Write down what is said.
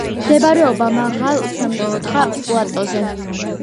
მდებარეობდა მაღალ სამკუთხა პლატოზე.